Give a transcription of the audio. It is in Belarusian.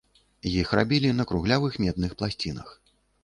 Іх рабілі на круглявых медных пласцінах.